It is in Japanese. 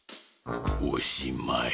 おしまい。